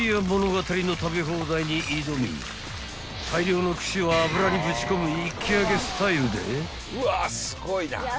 ［大量の串を油にぶち込む一気揚げスタイルで］